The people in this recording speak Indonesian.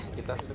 terima kasih pak